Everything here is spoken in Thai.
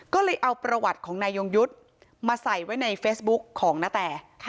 ก็เลยเอาประวัติของนายยงยุทธ์มาใส่ไว้ในเฟซบุ๊กของนาแต